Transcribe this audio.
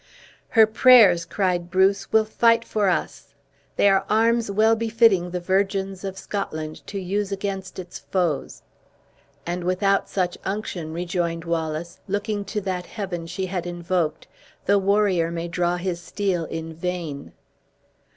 "Her prayers," cried Bruce, "will fight for us. They are arms well befitting the virgins of Scotland to use against its foes." "And without such unction," rejoined Wallace, looking to that Heaven she had invoked, "the warrior may draw his steel in vain."